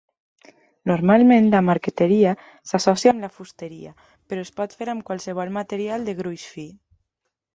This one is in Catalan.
Normalment, la marqueteria s'associa amb la fusteria, però es pot fer amb qualsevol material de gruix fi.